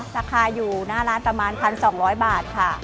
ราคาอยู่หน้าร้านประมาณ๑๒๐๐บาทค่ะ